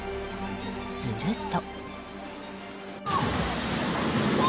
すると。